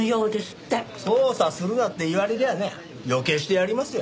捜査するなって言われりゃね余計してやりますよ。